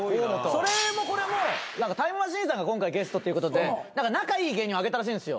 それもこれもタイムマシーンさんが今回ゲストっていうことで仲いい芸人を挙げたらしいんですよ。